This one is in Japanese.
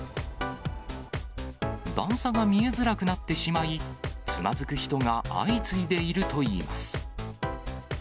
段差が見えづらくなってしまい、つまずく人が相次いでいるといいます。